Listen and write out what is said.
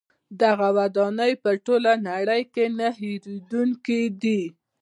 دغه ودانۍ په ټوله نړۍ کې نه هیریدونکې دي.